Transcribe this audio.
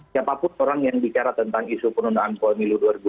siapapun orang yang bicara tentang isu penundaan pemilu dua ribu dua puluh